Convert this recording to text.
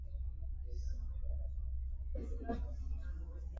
ee kwa mtazamo wako na uzoefu wako katika siasa